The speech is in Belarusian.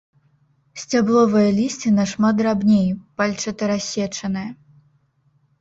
Сцябловае лісце нашмат драбней, пальчатарассечанае.